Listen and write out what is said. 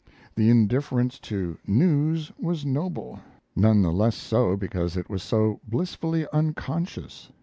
[The indifference to 'news' was noble none the less so because it was so blissfully unconscious.